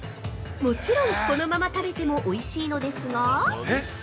もちろん、このまま食べてもおいしいのですが◆